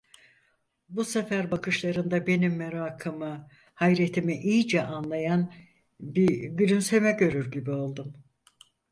Bu sefer bakışlarında benim merakımı, hayretimi iyice anlayan bir gülümseme görür gibi oldum.